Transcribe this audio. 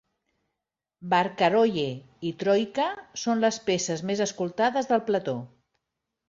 "Barcarolle" i "Troika" són les peces més escoltades del plató.